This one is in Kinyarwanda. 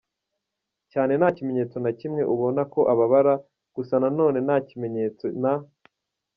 cyane ntakimenyetso na kimwe ubona ko ababara, gusa nanone ntakimenyetso na